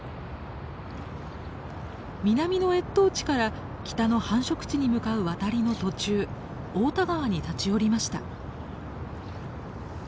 南の越冬地から北の繁殖地に向かう渡りの途中太田川に立ち寄りました。